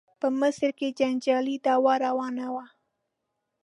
په مصر کې جنجالي دعوا روانه وه.